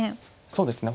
そうですね。